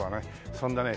そんなね